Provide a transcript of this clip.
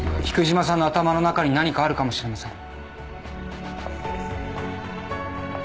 菊島さんの頭の中に何かあるかもしれません。